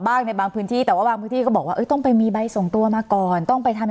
สนับสนุนโดยพี่โพเพี่ยวสะอาดใสไร้คราบ